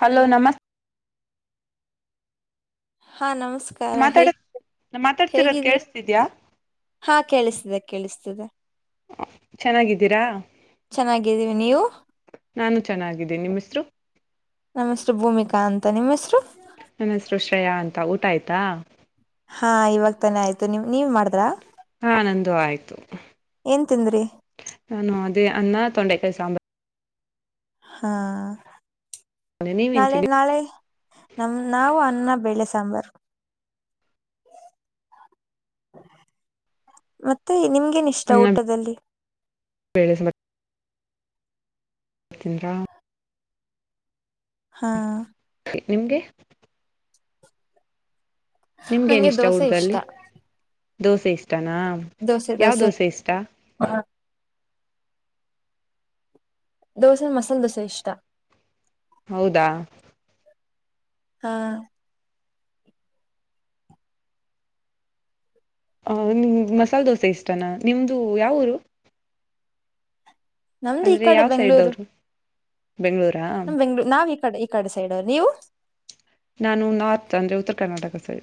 Hello ನಮಸ್ತೆ ಹಾಂ ನಮಸ್ಕಾರ ಮಾತಾಡ ಹೇಗ್ ಮಾತಾಡ್ತಿರೋದು ಹೇಗಿದ್ದೀರ ಕೇಳಸ್ತಿದ್ಯಾ ಹಾ ಕೇಳಿಸ್ತದೆ ಕೇಳಿಸ್ತದೆ ಚೆನ್ನಾಗಿದ್ದೀರಾ ಚೆನ್ನಾಗಿದ್ದೀವಿ ನೀವು ನಾನು ಚೆನ್ನಾಗಿದ್ದೇನೆ ನಿಮ್ಮ ಹೆಸರು ನಮಸ್ರು ಭೂಮಿಕಾ ಅಂತ ನಿಮ್ಮ ಹೆಸರು ನನ್ನ ಹೆಸರು ಶ್ರೇಯಾ ಅಂತ ಊಟ ಆಯ್ತಾ ಹಾ ಇವಾಗ ತಾನೆ ಆಯ್ತು ನಿಮ ನೀವ್ ಮಾಡ್ರಾ ಹಾ ನಂದು ಆಯ್ತು ಏನ್ ತಿಂದ್ರಿ ನಾನು ಅದೇ ಅನ್ನ ತೊಂಡೆಕಾಯಿ ಸಾಂಬಾರ್ ಹಾ ನೀವೇನ್ ನಾಳೆ ತಿಂದ್ರಿ ನಾಳೆ ನಮ ನಾವು ಅನ್ನ ಬೇಳೆ ಸಾಂಬಾರು ಮತ್ತೆ ನಿಮ್ಗೇನ್ ಇಷ್ಟ ಅನ್ನ ಊಟದಲ್ಲಿ [unintelligible] ತಿಂದ್ರಾ ಹಾ ನಿಮ್ಗೆ ನಂಗೆ ನಿಮ್ಗೇನಿಷ್ಟ ದೋಸೆ ಇಷ್ಟ ಊಟದಲ್ಲಿ ದೋಸೆ ಇಷ್ಟನಾ ದೋಸೆ ಯಾವ ದೋಸೆ ಇಷ್ಟ ಹಾ ದೋಸೆ ಮಸಾಲ ದೋಸೆ ಇಷ್ಟಾ. ಹೌದಾ ಹಾ ಹ ನಿಮ ಮಸಾಲ ದೋಸೆ ಇಷ್ಟನಾ ನಿಮ್ದು ಯಾವ ಊರು. ನಮ್ದ ಈ ಅಂದ್ರೆ ಕಡೆ ಯಾವ ಸೈಡ್ ಬೆಂಗ್ಗಳೂರು. ಅವರು ಬೆಂಗಳೂರಾ ನಾವ ಈ ಕಡೆ ಈ ಕಡೆ ಸೈಡ ನೀವು. ನಾನು ನಾರ್ತ್ ಅಂದರೆ ಉತ್ತರ ಕರ್ನಾಟಕ ಸೈಡ.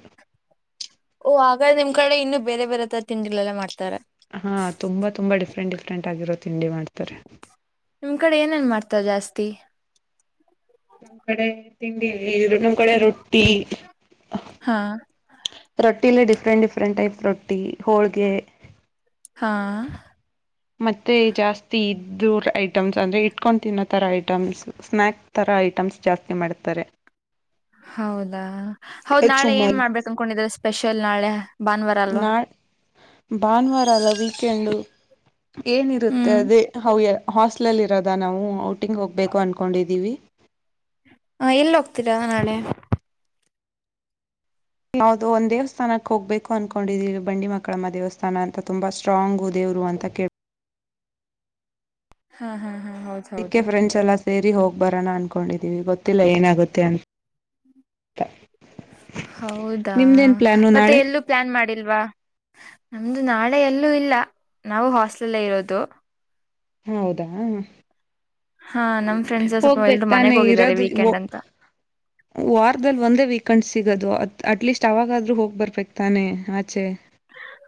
ಓ ಹಾಗರ ನಿಮ್ಮ ಕಡೆ ಇನ್ನು ಬೇರೆ ಬೇರೆ ತರ ತಿಂಡಿಗಳಲ್ಲಾ ಮಾಡ್ತಾರೆ ಹಾ ತುಂಬಾ ತುಂಬಾ ಡಿಫ್ರೆಂಟ್ ಡಿಫ್ರೆಂಟ್ ಆಗಿರೋ ತಿಂಡಿ ಮಾಡ್ತಾರೆ. ನಿಮ್ಮ ಕಡೆ ಏನೇನ ಮಾಡ್ತಾರ ಜಾಸ್ತಿ. ನಮ್ ಕಡೆ ತಿಂಡಿ ಇರು ಕಡೆ ರೊಟ್ಟಿ. ಹಾ ರೊಟ್ಟಿಲ್ಲಿ ಡಿಫ್ರೆಂಟ್ ಡಿಫ್ರೆಂಟ್ ಟೈಪ್ ರೊಟ್ಟಿ ಹೋಳ್ಗೆ. ಹಾ ಮತ್ತೆ ಜಾಸ್ತಿ ಇದ್ದೋರ್ ಐಟಮ್ಸ್ ಅಂದ್ರೆ ಇಟ್ಕೊಂಡು ತಿನ್ನೋ ತರ ಐಟಮ್ಸ್ ಸ್ನಾಯಕ್. ತರಾ ಐಟಮ್ಸ್ ಜಾಸ್ತಿ ಮಾಡ್ತಾರೆ. ಟಕ್ ಹೌದಾ ಹೌದ್ ನಾಳೆ ಏನ್ ಚುಮ್ಮಲ್ ಮಾಡ್ಬೇಕು ಅನ್ಕೊಂಡಿದ್ರ ಸ್ಪೆಷಲ್ ನಾಳೆ ಭಾನುವಾರಾ ಅಲ್ವಾ. ಭಾನುವಾರಲ್ಲ ವೀಕೆಂಡು. ಏನಿರುತ್ತೆ ಹ್ಮ್ ಅದೇ ಹೌವೇ ಹಾಸ್ಟ್ಲಲ್ಲಿ ಇರೋದ ನಾವು ಔಟಿಂಗ್ ಹೋಗ್ಬೇಕು ಅನ್ಕೊಂಡಿದೀವಿ. ಹ ಎಲ್ಲಿ ಹೋಗ್ತೀರಾ ನಾಳೆ. ಹೌದು ಒಂದ ದೇವಸ್ಥಾನಕ್ಕ ಹೋಗ್ಬೇಕು ಅನ್ಕೊಂಡಿದ್ದೀ ಬಂಡಿ ಮಾಕಾಳಮ್ಮ ದೇವಸ್ಥಾನ ಅಂತ ತುಂಬಾ ಸ್ಟ್ರಾಂಗು ದೇವರು ಅಂತ ಕೇಳ ಹಾ ಹಾ ಹಾ ಹೌದ ಅದಿಕ್ಕೆ ಫ್ರೆಂಡ್ಸ್ ಎಲ್ಲ ಸೇರಿ ಹೋಗ್ ಬರೋಣ ಅನ್ಕೊಂಡಿದ್ದೀವಿ ಗೊತ್ತಿಲ್ಲಾ ಏನಾಗುತ್ತೆ ಅಂತ. ಹೌದಾ ನಿಮ್ದೇನ್ ಪ್ಲಾನು ಮತ್ತೆ ನಾಳೆ ಎಲ್ಲು ಪ್ಲಾನ್ ಮಾಡಿಲ್ವಾ ನಮ್ದು ನಾಳೆ ಎಲ್ಲೂ ಇಲ್ಲಾ ನಾವು ಹಾಸ್ಟಲ್ಲ ಇರೋದು. ಹೌದಾ ಹಾ ನಮ್ಮ ಫ್ರೆಂಡ್ಸ್ ಸ್ವಪ ಹೋಗ್ಬೇಕ್ ಎಲ್ರು ತಾನೇ ಮನೆಗ್ ಹೋಗಿದಿದ್ದಾರೆ ಇರೋದು ವೀಕೆಂಡ್ ಒ- ಅಂತಾ. ವಾರದಲ್ಲಿ ಒಂದೇ ವೀಕೆಂಡ್ ಸಿಗೋದು ಅ ಅಟ್ಲೀಸ್ಟ್ ಅವಾಗಾದ್ರೂ ಹೋಗ್ ಬರ್ಬೇಕ ತಾನೆ ಆಚೆ.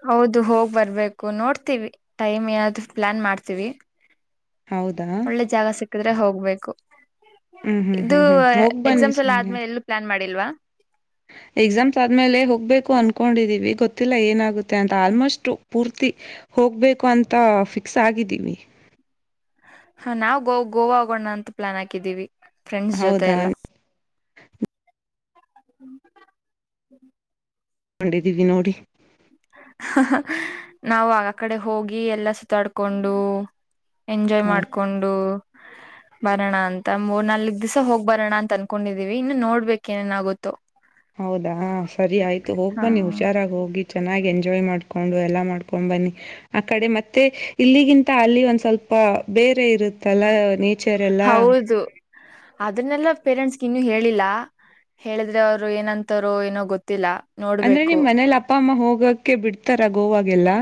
ಹೌದು ಹೋಗ್ ಬರ್ಬೇಕು ನೋಡ್ತೀವಿ ಟೈಮ್ ಯಾದು ಪ್ಲಾನ್ ಮಾಡ್ತೀವಿ. ಹೌದಾ ಒಳ್ಳೆ ಜಾಗ ಸಿಕ್ಕಿದ್ರೆ ಹೋಗ್ಬೇಕು ಹ್ಮ್ ಹ್ಮ್ ಇದು ಹ್ಮ್ ಹ್ಮ್ ಹೋಗ್ ಬನ್ನಿ ಎಕ್ಸಾಂಸ ಎಲ್ಲಾ ಸುಮ್ನೆ ಆದ್ಮೇಲೆ ಎಲು. ಪ್ಲಾನ್ ಮಾಡಿಲ್ವಾ. ಎಕ್ಸಾಮ್ಸ್ ಆದ್ಮೇಲೆ ಹೋಗ್ಬೇಕು ಅನ್ಕೊಂಡಿದೀವಿ ಗೊತ್ತಿಲ್ಲಾ ಏನಾಗುತ್ತೆ ಅಂತ ಆಲ್ಮೋಸ್ಟ್ ಪೂರ್ತಿ. ಹೋಗಬೇಕು ಅಂತಾ ಫಿಕ್ಸ್ ಆಗಿದ್ದೀವಿ. ಹಾ ನಾವು ಗೋ ಗೋವಾ ಹೋಗೋಣ ಅಂತ ಪ್ಲಾನ್ ಹಾಕಿದ್ದಿವಿ ಫ್ರೆಂಡ್ಸ್ ಜೊತೆ ಹೌದಾ ಎಲ್ಲಾ. ಕಂಡಿದೀವಿ ನೋಡಿ. ನಾವು ಆಕಡೆ ಹೋಗಿ ಎಲ್ಲಾ ಸುತ್ತಾಡ್ಕೊಂಡು. ಎಂಜಾಯ್ ಹ ಮಾಡ್ಕೊಂಡು. ಬರೋಣ ಅಂತ ಮೂರ್ ನಲ್ಕ್ ದಿವಸ ಹೋಗ್ ಬರೋಣ ಅಂತ ಅನ್ಕೊಂಡಿದೀವಿ ಇನ್ನು ನೋಡ್ಬೇಕು ಏನೇನ್ ಆಗುತ್ತೋ. ಹೌದಾ ಸರಿ ಆಯ್ತು ಹಾ ಹೋಗ್ಬನ್ನಿ ಹುಷಾರಾಗಿ ಹೋಗಿ. ಚೆನ್ನಾಗಿ ಎಂಜಾಯ್ ಮಾಡ್ಕೊಂಡು ಎಲ್ಲಾ ಮಾಡ್ಕೊಂಡು ಬನ್ನಿ. ಆ ಕಡೆ ಮತ್ತೆ ಇಲ್ಲಿಗಿಂತ ಅಲ್ಲಿ ಒಂದ ಸ್ವಲ್ಪ ಬೇರೆ ಇರುತ್ತೆ. ಹೌದು ಅದನ್ನೆಲ್ಲಾ ಪೇರೆಂಟ್ಸ್ಗೆ ಇನ್ನು ಹೇಳಿಲ್ಲಾ. ಹೇಳಿದ್ರೆ ಅವ್ರು ಏನಂತಾರೋ ಏನೋ ಗೊತ್ತಿಲ್ಲ. ಅಂದ್ರೆ ನೋಡ್ಬೇಕು ನಿಮ್ ಮನೇಲಿ ಅಪ್ಪ ಅಮ್ಮ ಹೋಗಕ್ಕೆೆ ಬಿಡ್ತಾರ ಗೋವಾಗೆಲ್ಲಾ.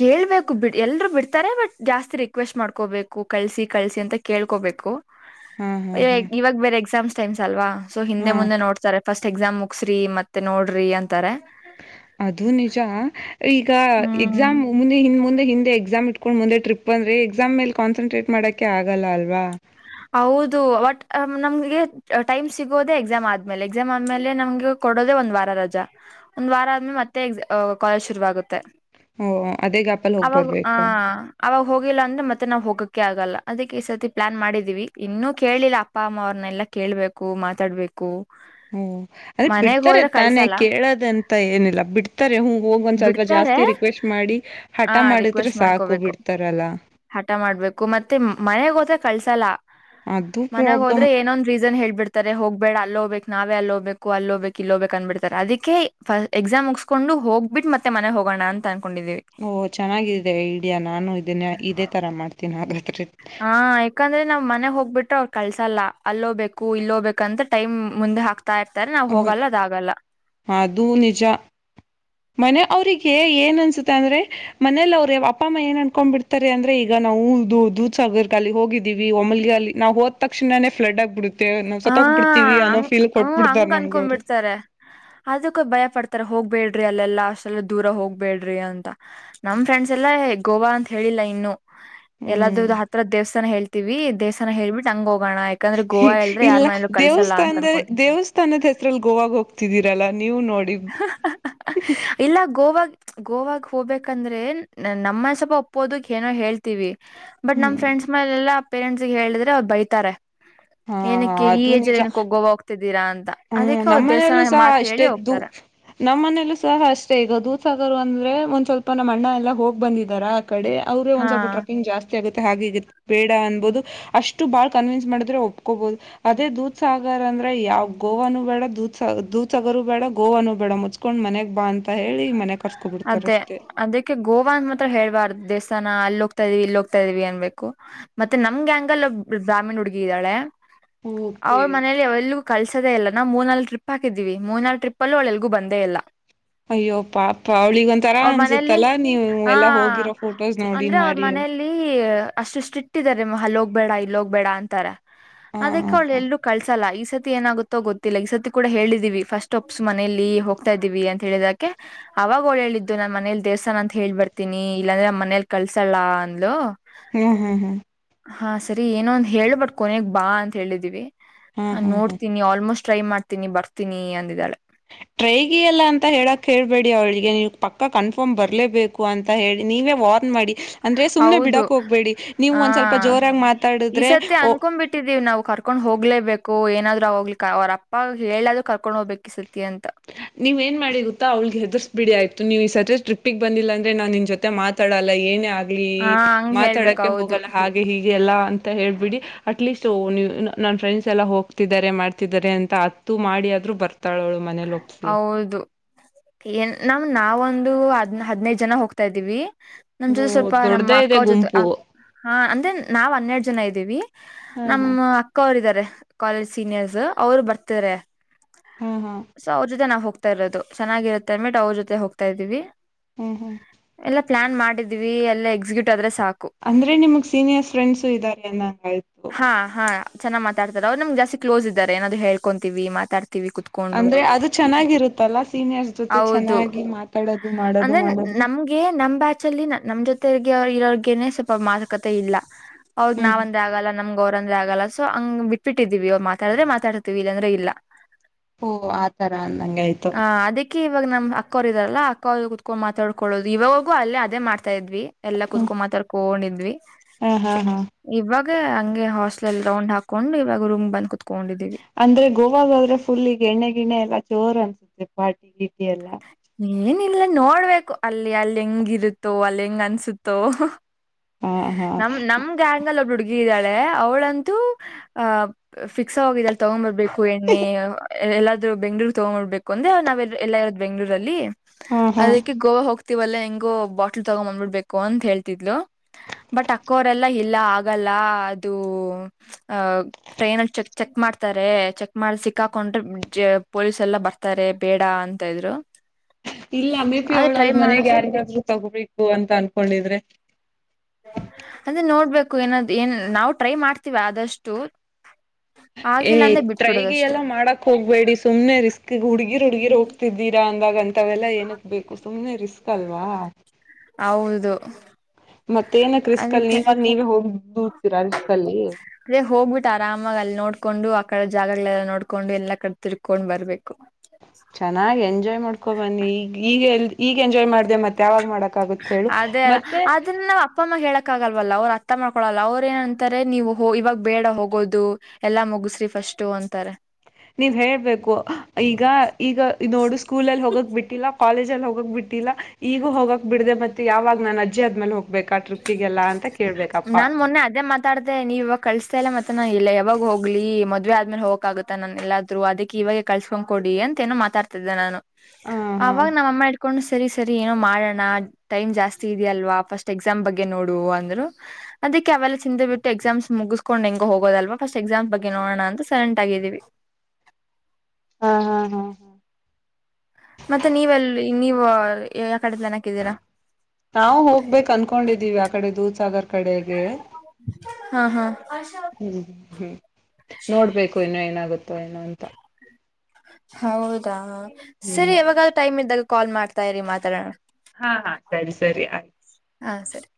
ಕೇಳ್ಬೇಕು ಬಿಡ್ ಎಲ್ರೂ ಬಿಡ್ತಾರೆ ಬಟ್ ಜಾಸ್ತಿ ರಿಕ್ವೆಸ್ಟ್ ಮಾಡ್ಕೋಬೇಕು ಕಳ್ಸಿ ಕಳ್ಸಿ ಅಂತ ಕೇಳ್ಕೋಬೇಕು. ಹಾ ಹಾ ಹಾ ಇವಾಗ ಬೇರೆ ಎಕ್ಸಾಮ್ಸ್ ಟೈಮ್ಸ್ ಅಲ್ವಾ ಸೊ ಹಿಂದೆ ಹಾ ಮುಂದೆ ನೋಡ್ತಾರೆ. ಫಸ್ಟ್ ಎಕ್ಸಾಮ್ ಮುಗಸ್ರಿ ಮತ್ತೆ ನೋಡ್ರಿ ಅಂತಾರೆ. ಅದು ನಿಜ ಈಗ ಹ್ಮ್ ಎಕ್ಸಾಮ್ ಮುಂದೆ ಹಿಂದ್ ಮುಂದೆ ಹಿಂದೆ ಎಕ್ಸಾಮ್ ಇ. ಕಕೊಂಡ್ ಮುಂದೆ ಟ್ರಿಪ್ ಬಂದ್ರೆ ಎಕ್ಸಾಮ್ ಮೇಲೆ ಕಾನ್ಸನ್ಟ್ರೇಟ್ ಮಾಡಕೆ ಆಗಲ್ಲ ಅಲ್ವಾ. ಹೌದು ಬಟ್ ನಮ್ಗೆ ಟೈಮ್ ಸಿಗೋದೆ ಎಕ್ಸಾಮ್ ಆದ್ಮೇಲೆ ಎಕ್ಸಾಮ್ ಆದ್ಮೇಲೆ ನಮ್ಗೆ. ಕೊಡೋದೇ ಒಂದ್ ವಾರ ರಜಾ ಒಂದ್ ವಾರ ಆದ್ಮಲೆ ಮತ್ತೆ ಕಾಲೇಜ್ ಶುರುವಾಗುತ್ತೆ. ಹಓ ಅದೇ ಗಾಪಲ್ ಹೋಗ್ ಅವಾಗ ಆ ಬರ್ಬೇಕಾ. ಅವಾಗ ಹೋಗಿಲ್ಲ ಅಂದ್ರೆ ಮತ್ತೆ ನಾವವು ಹೋಗೋಕ್ಕೆ ಆಗಲ್ಲ ಅದಕ್ಕೆ ಈ ಸರ್ತಿ ಪ್ಲಾನ್ ಮಾಡಿದ. ವಿ ಇನ್ನುೂ ಕೇಳಿಲ್ಲ ಅಪ್ಪ ಅಮ್ಮ ಅವ್ರನ್ನೆಲ್ಲಾ ಕೇಳ್ಬೇಕು ಮಾತಾಡ್ಬೇಕು. ಓ ಅದ ಮನೆಗ್ ಬಿಡ್ತಾರೆ ಹೋದ್ರೆ ತಾನೇ ಕಳ್ಸಲ್ಲ ಕೇಳೋದ ಅಂತ ಏನಿಲ್ಲ ಬಿಡ್ತಾರೆ ಹೂ ಹೋಗ ಒಂದ್ ಸ್ವಲ್ಪ ಬಿಡ್ತಾರೆ ಜಾಸ್ತಿ ರಿ. ರಿಕ್ವೆಸ್ಟ್ ಮಾಡಿ ಹಠ ಆ ಮಾಡಿದ್ರೆ ರಿಕ್ವೆಸ್ಟ್ ಮಾಡ್ಕೋಬೇಕು ಸಾಕ್ಬಿಡ್ತಾರಲ್ಲಾ. ಹಠ ಮಾಡ್ಬೇಕು ಮತ್ತೆ ಮನೆಗ್ ಹೋದ್ರೆ ಕಳ್ಸಲ್ಲ ಅದು ಮನೆಾಗ ಹೋದ್ರೆ ಪ್ರಾಬ್ಲಮ್ ಏನೊಂದ. ರೀಸನ್ ಹೇಳ್ಬಿಡ್ತಾರೆ ಹೋಗ್ಬೇಡ ಅಲ್ಲಿ ಹ್ುಕ್ ನಾವೇ ಅಲ್ಲ ಹ್ು ಅಲ್ಲ ಹೋಗ್ು ಇಲ್ಲ ಹೋಗ್ಕ್ ಅನ್ಬಿಡ್ತಾರೆ ಅದಕ್ಕೆ. ಫಸ್ಟ್ ಎಕ್ಸಾಮ್ ಮುಗಸ್ಕೊಂಡು ಹೋಗ್ಬಿಟ್ಟ ಮತ್ತೆ ಮನೆ ಹೋಗೋಣ ಅಂತ ಅನ್ಕೊಂಡಿದ್ದೀವಿ. ಓಹ ಚೆನ್ನಾಗಿದೆ ಐಡಿಯಾ ನಾನು ಇದನ್ನ ಇದೇ ಥರ ಮಾಡ್ತೀನಿ ಹಾಗಾದ್ರೆ. ಹಾ ಯಾಕಂದ್ರೆ ನಾವ್ ಮನೆಗ್ ಹೋಗ್ಬಿಟ್ರೆ ಅವ್ರು ಕಲ್ಸಲ್ಲ ಅಲ್ಲೋ್ಬೇಕು ಇಲ್ಲೋ್ಬೇಕು ಅಂತ ಟೈಮ್ ಮುಂದೆ ಹಾಕ್ತ ಾ ಇರ್ತಾರೆ ನಾ್ ಹ್ಮ ಹೋಗಲ್ಲ ಅದಾಗಲ್ಲ. ಅದು ನಿಜ. ಮನೆ ಅವ್ರಿಗೆ ಏನ್ ಅನ್ಸುತ್ತ ಅಂದ್ರೆ ಮನೇಲಿ ಅವ್ರ ಅಪ್ಪ ಅಮ್ಮ ಏನ್ ಅನ್ಕೊಂಡ್ ಬಿಡ್ತಾರೆ ಅಂದ್ರೆ ಈಗ. ಈಗ ನಾವು ದೂದ್ಸಾಗರ್ ಅಲ್ಲಿ ಹೋಗಿದ್ದೀವಿ ಒಮಲಿ ಅಲ್ಲಿ ನಾವು ಹೋದ ತಕ್ಷಣನೇ ಫ್ಲಡ್ ಆಗ್ಿಬಿಡುತ್ತೆ. ಹ ಸತ್ತೋಗ್ ಬಿಡ್ತೀವಿ ಅನ್ನೋ ಹಂಗ ಫೀಲ್ ಕೊ. ಹ್ಮ ಹಂಗ ಅನ್ಕೊಬಿಡ್ತಾರೆ ಅದಕ್ಕ ಭಯ ಪಡ್ತಾರ ಹೋಗ್ಬೇಡ್ರಿ ಅಲ್ಲೆಲ್ಲ ಅಷ್ಟಲ್ಲ ದೂರ ಹೋಗ್ಬೇಡ್ರಿ ಅಂತ. ನಮ್ ಫ್ರೆಂಡ್ಸ್ ಎಲ್ಲಾ ಗೋವಾ ಅಂತ ಹೇಳಿಲ್ಲ ಇನ್ನು. ಎಲ್ಲಾದ ಹ್ಮ್ ಹತ್ರ ದೇವಸ್ಥಾನ ಹೇಳ್ತತಿವಿ ದೇವಸ್ಾನ ಹೇಳ್ಬಿಟ್ಟು ಹಂಗ ಹೋಗೋಣ ಯಾಕಂದ್ರೆ ಗೋವಾ ಹ. ಇಲ್ಲ ದೇವಸ್ಥಾನದ ದೇವಸ್ಥಾನದ ಹೆಸ್ರಲ್ಲಿ ಗೋವಾಗ ಹೋಗ್ತಿದ್ದೀರಲ್ಲ ನೀವು ನೋಡಿ. [unintelligible] ಇಲ್ಲ ಗೋವಾಗ ಗೋವಾಗ ಹೋಗ್ಬೇಕಂದ್ರೆ ನಮ್ಮ ಸ್ವಪ ಒಪ್ಪೋದಕ್ ಏನೋ ಹೇಳ್ತ. ತಿವಿ ಬಟ್ ನಮ್ ಹ್ಮ್ ಫ್ರೆಂಡ್ಸ್ ಮನೇಲೆಲ್ಲ ಪೇರೆಂಟ್ಸ್ ಹೇಳಿದ್ರೆ ಅವ್ ಬೈತಾರೆ. ಹಾ ಏನಕ್ಕೆ ಈ ಅದು ಏಜ್ ನಿಜ ಅಲ್ಲಿ ಏನಕ್ಕೆ ಗೋವಾ ಹೋಗ್ತಿದ್ದೀರಾ ಅಂತ ಹ್ಮ್ ಅದಕ್ಕೆ ಅವ್ರು ನಮ್ಮನೆಯಲ್ಲೂ ದೇವಸ್ಥಾನ ಸಹ ಮಾತ್ ಹೇಳಿ ಇಷ್ಟೆ್ದು. ಹೋಗ್ತಾರೆ ನಮ್ಮ್ನೇಲ್ಲೂ ಸಹ ಅಷ್ಟೇ ಈಗ ದೂಸಾಗರ್ ಅಂದ್ರೆ ಒಂದ್ ಸ್ವಲ್ಪನ ಅಣ್ಣ ಎಲ್ಲಾ ಹೋಗಿ ಬಂದಿದಾರ. ಕಡೆ ಅವ್ರ ಒಂದ ಹಾ ಸ್ವಲ್ಪಟ್ರಿಂಗ್ ಜಾಸ್ತಿ. ಆಗುತ್ತೆ ಹಾಗೆ ಬೇಡ ಅನ್ಬೋುದು ಅಷ್ಟು ಬಾಳ್ ಕನ್ವಿನ್ಸ್ ಮಾಡಿದ್ರೆ ಒಪ್ಕೋಬಹುದು. ಅದೇ ದೂಧ್ ಸಾಗರ್ ಅಂದ್ರೆ ಯಾವ್ ಗೋವಾನೂ ಬೇಡ ದೂ್ ಸಾಗ ದೂದ್ ಸಾಗರ್ೂ ಬೇಡ ಗೋವಾನು ಬೇಡ ಮುಚ್. ಇಕೊಂಡ್ ಮನೆಗ್ ಬಾ ಅಂತ ಹೇಳಿ ಮನೆಗ್ ಕರ್ಸ್ಕೊಬಿಡ್ತಾರ ಅದೇ ಅಷ್ಟೇ. ಅದಕ್ಕೆ ಗೋವಾ ಅಂದ ಮಾತ್ರ ಹೇಬಾರ್ದ ದೇವಸ್ಥಾನ ಅಲ್ಲಿ ಹೋಗ್ತಾ ಇದ್ದೀವಿ ಇಲ್ಲಿ ಹೋಗ್ತಾ ಇದೀವಿ ಅನ್ಬೇಕು. ಮತ್ತೆ ನಮ್ ಗ್ಯಾಂಗ್ ಅಲ್ಲಿ ಒಬ್ಳು ಬ್ರಾಹ್ಮಣ ಹುಡುಗಿ ಇದ್ದಾಳೆ ಅವ್ರ ಓಕೆ ಮನೇಲಿ ಅವ. ಕಳ್ಸದೆಲ್ಲ ನಾ ಮೂ ನಲ್ ಟ್ರಿಪ್ ಹಾಕಿದೀವಿ ಮೂರ್ನಾಲ್ ಟ್ರಿಪ್ಲ್ಲೂ ಒಳೆಗೂ ಬಂದೇ ಇಲ್ಲ. ಅಯ್ಯೋ ಪಾ ಪ್ಪಾ ಅವ್ಳಿಗ ಒಂಥರಾ ಅವ್ರ ಮನೇಲಿ ಅನ್ಸುತ್ತಲ್ಲಾ ನೀವು ಹಾ ಎಲ್ಲಾ ಹೋಗಿರೋ ಫೋಟೋಸ್ ನೋಡಿ ಅಂದ್ರೆ ಅವ್ರ ಮಾಡಿ. ಮನೇಲಿ ಅಷ್ಟು ಸ್ಟ್ರಿಕ್ ಇದಾರೆ ಅಲ್ಲಿ ಹೋಗ್ಬೇಡ ಇಲ್ಲ ಹೋಗ್ಬೇಡ ಅಂತಾರೆ ಹ ಅದಕ್ಕೆ ಅವಳ್ಳೆ ಎಲ್ರುೂ. ಕಳ್ಸಲ್ಲ ಈ ಸತಿ ಏನಾಗುತ್ತೋ ಗೊತ್ತಿಲ್ಲ ಈ ಸತಿ ಕೂಡ ಹೇಳಿದೀವಿ ಫಸ್ಟ್ ಒಪ್ಸಸ್ ಮನೇಲಿ ಹೋಗ್ತಾ ಇದ್ದೀವಿ ಅಂತ ಹೇಳಿದಾಗ. ಕ್ಕೆ. ಅವಾಗೋಳ ಹೇಳಿದ್ದು ನಾನ್ ಮನೇಲಿ ದೇವಸ್ಥಾನ ಅಂತ ಹ ಹೇಳಳ್ ಬರ್ತೀನಿ ಇಲ್ಲಾಂದ್ರೆ ನಮ್ಮ್ ಮನೇಲ್ ಕಳ್ಸಳ ಅಂದ್ಲು. ಹ್ಮ್ ಹ್ಮ್ ಹ್ಮ್- ಹಾ ಸರಿ ಏನೋ ಅಂದ ಹೇಳ ಬಟ್ ಕೊನೆಗ್ ಬಾ ಅಂತ ಹೇಳಿದೀವಿ ಹ್ಮ್ ಹ್ಮ್ ಹ್ಮ್ ನೋಡ್ತೀನಿ ಆಲ್ಮೋಸ್ಟ್. ಟ್ರೈ ಮಾಡ್ತೀನಿ ಬರ್ತೀನಿ ಅಂದಿದ್ದಾಳೆ. ಟ್ರೈಗಿ ಅಲ್ಲ ಅಂತ ಹೇಳಕ್ ಹೇಳ್ಬೇಡಿ ಅವಳಿಗೆ ನೀವು ಪಕ್ಕ ಕನ್ಫರ್ಮ್ ಬರಲೇಬೇಕು ಅಂತ ಹೇಳಿ ನೀವೇ ವಾರ್ನ್ ಮಾಡಿ. ಅಂದ್ರೆ ಸುಮ್ನೆ ಹೌದು ಬಿಡಕ್ ಹೋಗ್ಬೇಡಿ ನೀವು ಆ ಒಂದ್ ಸ್ವಲ್ಪ ಜೋರಾಗಿ ಮಾತಾಡುದ್ರೆ ಓ. ಇಟ್ಟಿದ್ದೀವಿ ನಾವು ಕರ್ಕೊಂಡ್ ಹೋಗ್ಲೇಬೇಕು ಏನಾದ್ರು ಆ ಹೋಗ್ಲಿ ಅವ್ರ ಅಪ್ಪ ಹೇಳಾದ್ರು ಕರ್ಕೊಂಡ್ ಹೋಗ್ಬೇಕಕ್ ಇ ಸತಿ ಅಂತ. ನೀವ ೇನ್ ಮಾಡಿ ಗುತ್ತಾ ಅವ್ಿಗೆ ಹೆದರಿಸಸ್ ಬಿಡಿ ಆಯ್ತು ನೀವು ಈ ಸರ್ತಿ ಟ್ರಿಿಗೆ ಬಂದಿಲ್ಲಂದ್ರೆ ನಾನ್ ನಿನ್ ಜೊತೆ ಮಾತ. ಮಾತಾಡಲ್ಲ ಏನೇ ಆಗ್ಲಿ ಹಾ ಹಂಗ್ ಹೇಳ್ಬೇಕ ಮಾತಾಡಕ್ಕೆ ಹೌದು ಹೋಗಲ್ಲ ಹಾಗೆ ಹೀಗೆ ಎಲ್ಲ ಅಂತ ಹೇಬಿಡಿ. ಅಟ್ ಲೀಸ್ಟ್ ನನ್ ಫ್ರೆಂಡ್ಸ್ ಎಲ್ಲ ಹೋಗ್ತಿದ್ದಾರೆ ಮಾಡ್ತಿದ್ದಾರೆ ಅಂತ ಅತ್ತು ಮಾಡಿಾದ್ರರು ಬರ್ತಾಳಳು ಮತ್ತೆ. ಹೌದು. ಏನ್ ನಮ ನಾವೊಂದು ಹದ್ ಹದ್ನೈದ ಜನ ಹೋಗ್ತಾ ಇದ್ದೀವಿ. ನಮ್ ಓ ಜೊತೆ ಸ್ವಲ್ಪ ನಮ್ಮ ದೊಡ್ಡದೇ ಅಕ್ಕ ಇದೆ ಅವ್ರ ಜೊತೆ. ಗುಂಪು ಹಾ ಅಂದ್ರೆ ನಾವ್ ಹನ್ನೆರಡು ಜನ ಇದ್ದೀವಿ ಹಾ ಹಾ ನಮ್ಮ. ಅಕ್ಕ ಅವರ್ಾರೆ ಕಾಲೇಜ್ ಸೀನಿಯರ್ಸ್ ಅವ್ರು ಬರ್ತಾರೆ. ಹಾ ಹಾ- ಸೊ ಅವ್ರ ಜೊತೆ ನಾ ಹೋಗತ ಇರೋದು ಚೆನ್ನಾಗಿರುತ್ತ ಅನ್ಬೇಟ್ ಅವ್ರ ಜೊತೆ ಹೋಗತ ಇದೀವಿ. ಹ್ಮ್ ಹ್ಮ್- ಎಲ್ಲಾ ಪ್ಲಾನ್ ಮಾಡಿದ್ವಿ ಎಲ್ಲ ಎಕ್ಸಿಕ್ಯೂಟ್ ಆದ್ರೆ ಸಾಕಕ್ು.. ಅಂದ್ರೆ ನಿಮಗ್ ಸೀಿಯರ್ ಫ್ರೆಂಡ್ಸ್ ಇದಾರೆ ಅಂದಂಗ್ತು. ಹಾ ಹಾ ಚೆನ್ನಾಗಿ ಮಾತಡ್ತಾರೆ ಅವರು ನಮ್ ಜಾಸ್ತಿ ಕ್ಲೋಸ್ ಇದ್ದಾರೆ ಏನಾದ್ ಹೇಳ್ಕೊಂತೀವಿ ಮಾತಾಡ್ತಿೀವಿ ಕುತ್. ಅಂದ್ರೆ ಅದು ಚೆನ್ನಾಗಿರುತ್ತಲ್ಲಾ ಸೀನಿಯರ್ಸ್ ಜೊತೆ ಹೌದು ಚೆನ್ನಾಗಿ ಮಾತಾಡೋದು ಮಾಡೋದು ಮಾಡದು್. ಹಾಗ ನಮ್ ಬ್ಯಾಚಲ್ಲಿ ನಮ್ಮ ಜೊತೆಗೆ ಇರೋಗನೆ ಸ್ವಲ್ಪ ಮಾತುಕತೆ ಇಲ್ಲ. ಹೌದ ಹ್ಮ್ ನಾವಂದೆ ಆಗಲ್ಲ ನಮ್ಗ ಅವ್ರರುಂದ್ರೆ ಆಗಲ್ಲ ಸೊ ಹಂಗ್ ಬಿಟ್ಬ ಬಿಟ್ಟಿದೀವಿ ಅವ್ ಮಾತಾಡ್ರೆ ಮಾತಾಡ್ತೀವಿ ಇಲ್ಲಾಂದ್ರೆ ಇಲ್ಲ. ಓ ಆತರ ಅಂದಂಗ ಆಯ್ತು. ಆ ಅದಕ್ಕೆ ಇವಾಗ ನ್ ಅಕ್ಕೋ್ರ ಇದಾರಲ್ಲ ಅಕ್ಕ ಅವರು ಕುತ್ಕೊಂಡ ಮಾತಾಡ್ಕೊಳ್ಳೋದು ಇವಾಗೂ ಅಲ್ಲೇದೇ ಮಾಡ್. ಹತಾ ಇದ್ವಿ ಎಲ್ಲಾ ಹ್ಮ್ ಕುತ್ಕೊಂಡ ಮಾತಾರ್ ಕೊಂಡಿದ್ವಿ. ಹಾ ಹಾ ಹಾ- ಇವಾಗ ಹಂಗೆ ಹಾಸ್ಟ್ಲಲ್ ರೌಂಡ್ ಹಾಕೊಂಡು ಇವಾಗ ರೂಮ್ ಬಂದ್ ಕುೂತ್ಕೊಂಡಿದ್ದೀವಿ. ಅಂದ್ರೆ ಗೋವಾಗಾದ್ರೆ ಫುಲ್ ಈಗ ಎಣ್ಣೆ ಗಿಣೆ ಎಲ್ಲ ಚೋರ್ ಅನ್ಸತ್ೆ ಪಾಟಿ ಗಿಟಿ ಎಲ್ಲ. ಏನಿಲ್ಲ ನೋಡ್ಬೇಕು ಅಲ್ಲಿ ಅಲ್ಲಿ ಹೆಂಗಿರುತ್ತೋ ಅಲ್ಲಿ ಹೆಂಗ್ ಅನ್ಸುತ್ತೋ. ಹ- ನಮ ನಮ. ನಮ್ ಗ್ಯಾಂಗ್ ಅಲ್ಲಿ ಒಬ್ರು ಹುಡುಗಿ ಇದ್ದಾಳೆ ಅವಳಂತೂ ಅಹ್ ಫಿಕ್ಸ್ ಹೋಗಿದ್ದಾಳ ತಗೊ್ ಬರ್ಬೇಕು. ಹೂ ಎಣ್ಣೆ ಎಲ್ಲಾದ್ೂ ಬೆಂಗಳೂರ್ ತಗೊಂಡ್ಬೋಡ್ಬೇಕು ಅಂದ್ರೆ ನಾವ್ ಎಲ್ಲ ಇರೋದ್ ಬೆಂಗ್ಳೂರಲ್ಲಿ. ಹಾ ಹಾ ಅದಕ್ಕೆ ಗೋವಾ ಹೋಗ್ತಿವಲ್ಲಾ ಹೆಂಗೋ ಬಾಟ್ಲ್ ತಗೊ್ ಬಂದ್ಬಿಡ್ಬೇಕು ಅಂತ ಹೇಳ್ತಿದ್ಲು. ಬಟ್ ಅಕ್ಕೋರೆಲ್ಲಾ ಇಲ್ಲ ಆಗಲ್ಲ ಅದು ಅ. ಟ್ರೈನ್ಲ್ಲಿ ಚೆಕ್ ಚೆಕ್ ಮಾಡ್ತಾರೆ ಚೆಕ್ ಮಾಡಿ ಸಿಕ್ಕಾಕೊಂಡ್ರೆ ಪೊಲೀಸ್ ಎಲ್ಲಾ ಬರ್ತಾರೆ. ತಾರೆ ಬೇಡ ಅಂತ ಇದ್ರು. ಇಲ್ಲ ಮಮೇಪಿ ಆದ್ರೆ ಅವಳ ಟ್ರೈ ಅವ್ರ ಮಾಡು ಮನೆಗ್ ಯಾರಿಗಾದ್ೂ ತಗೋಬೇಕು ಅಂತ ಅನ್ಕೊಂಡಿದ್ರೆ. ಅದೇ ನೋಡ್ಬೇಕು ಏನಾದ್ ಏನ್ ನಾವು ಟ್ರೈ ಮಾಡ್ತೀವ ಆದಷ್ಟು. ಏ ಆಗಿಲ್ಲ ಅಂದ್ರೆ ಟ್ರೈ ಗಿ ಬಿಟ್ಬಿಡೋದಷ್ಟೆ ಎಲ್ಲ ಮಾಡಕ್. ಹೋಗ್ಬೇಡಿ ಸು್ನೆ ರಿಸ್ಕ್ಗ್ ಹುಗಿರ್ ಹುಡ್ಗಿ ಹೋಗ್ತಿದ್ದೀರಾ ಅಂದಾಗ ಅಂತ ಎಲ್ಲಾ ಏನಕ್ ಬೇಕು. ಸುಮ್ನೆ ರಿಸ್ಕ್ ಅಲ್ವಾ. ಹೌದು. ಮತ್ತ ಏನ ಕ್ರಿಸ್ಕಲ್ ಅದಕ್ಕೆ ನೀವ ನೀವೇ ಹೋಗ ೂಡ್ತೀರಾ ಕಿಸ್ಕಲ್. ಅದೇ ಹೋಗ್ಬಿಟ್ಟು ಆರಾಮಾಗಿ ಅಲ್ಲಿ ನೋಡ್ಕೊಂಡು ಆ ಕಡೆ ಜಾಗಗಳೆಲ್ಲ ನೋಡ್ಕೊಂಡು ಎಲ್ಲಾ ಕಡೆ ತಿರ್ಕೊಂಡ್ ಬರ್ಬೇಕು ಚೆನ್ನಾಗಿ ಎಂಜಾಯ್ ಮಾಡ್ಕೊ ಬನ್ನಿ ಈಗ ಈಗ ಎಲ್ ಈಗ ಎಂಜಾಯ್ ಮಾಡ್ದ ಮತ್ತೆ ಮತ್ ಯಾವಾಗ್ ಮಾಡಕ ಆಗುತ್ತೆ ಹೇಳು ಮತ್ತೆ ಅಪ್ಪಮ್ಮ ಹೇಳಕ್ ಆಲ್ವಲ್ಲ ಅವ್ರ ಅರ್ಥ ಮಾಡ್ಕೊಳಲ್ಲ ಅವ್ರ ಏನಂತಾರೆ ನೀವು ಇವಾಗ ಬೇಡ ಹೋಗೋದು ಎಲ್ಲಾ ಮುಗಸ್ರಿ ಫಸ್ಟು ಅಂತಾರೆ ನೀವ್ ಹೇಳ್ಬೇಕು ಈಗ ಈಗ ನೋಡು ಸ್ಕೂಲ್ನಲ್ಲಿ ಹೋಗಕ್ ಬಿಟ್ಟಿಲ್ಲ ಕಾಲೇಜ ಅಲ್ಲಿ ಹೋಗಕ್ ಬಿಟ್ಟಿಲ್ಲ ಈಗೂ ಹೋಗಕ್ ಬಿಡಿದೆ ಮತ್ತೆ ಯಾವಾಗ ನಾ ಅಜ್ಜ ಆದ್ಮೇಲೆ ಹೋಗಿ ನನ್ ಮೊನ್ನೆ ಅದೇ ಮತ್ತ- ಮಾತಾಡ್ದದೆ ನೀವ ಇವಾಗ ಕಳಿಸತ ಇಲ್ಲ ಮತ್ತಾನ ಇಲ್ಲ ಯಾವಾಗೋಗ್ಲಿ ಮದ್ವೆ ಆದ್ಮೇಲೆ ಹೋಗಕಕ್ಗುತ್ತ ನನ್ ಎಲ್ಲಾದ್ರು ಅದಕ್ಕೆ ಇವಾಗ ಕಳ್ಸ್ಕೊಂಡ್ ಕೊಡಿ ಅಂತ ಏನು ಮಾತಾಡ್ತಿದ್ದೆ ನಾನು ಹ ಅವಾಗ ನಮ್ಮಅಮ್ಮ ಇಡ್ಕೊಂಡು ಸರಿ ಸರಿ ಏನೋ ಮಾಡೋಣ ಟೈಮ್ ಜಾಸ್ತಿ ಇದೆಯಲ್ವಾ ಫಸ್ಟ್ ಎಕ್ಸಾಮ್ ಬಗ್ಗೆ ನೋಡುವ ಅಂದ್ರು ಅದಕ್ಕೆ ಅವೆಲ್ಲ ಚಿಂದ್ ಬಿಟ್ಟು ಎಕ್ಸಾಮ್ಸ್ ಮುಗಸ್ಕೊಂಡ್ ಹೆಂಗ ಹೋಗೋದಲ್ವಾ ಫಸ್ಟ್ ಎಕ್ಸಾಮ್ಸ್ ಬಗ್ಗೆ ನೋಣ ಅಂತ ಸೈಲೇಟ್ ಆಗಿದ್ದೀವಿ ಹಾ ಹಾ ಹಾ ಹಾ ಮತ್ತೆ ನೀವೆಲ್ಲಿ ನೀವು ಯಾವ ಕಡೆ ನೆನಕಿದ್ದೀರಾ ನಾವು ಹೋಗ್ಬೇಕ್ ಅನ್ಕೊಂಡಿದೀವಿ ಆ ಕಡೆ ದೂದಸಾಗರ್ ಕಡೆಗೆ ಹಾ ಹಾ ಹ್ಮ್ ಹ್ಮ್ ನೋಡ್ಬೇಕು ಇನ್ನು ಏನಾಗುತ್ತೋ ಏನೋ ಅಂತ ಹೌದಾ ಹ್ಮ್ ಸರಿ ಯಾವಾಗ ಟೈಮ್ ಇದ್ದಾಗ ಕಾಲ್ ಮಾಡ್ತಾ ಇರಿ ಮಾತಾಡೋಣ ಹಾ ಹಾ ಸರಿ ಸರಿ ಆಯ್ತು ಹಾ ಸರಿ